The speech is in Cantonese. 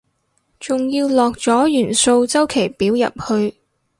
仲要落咗元素週期表入去